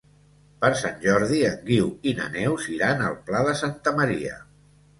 Per Sant Jordi en Guiu i na Neus iran al Pla de Santa Maria.